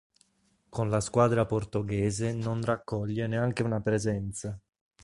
Con la squadra portoghese non raccoglie neanche una presenza.